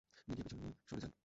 Media পিছনে সরে যান!